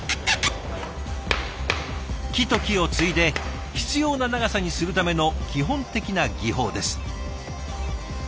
木と木を継いで必要な長さにするための基本的な技法です。